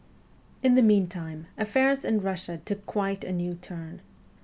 VII IN the meantime affairs in Eussia took quite a new turn.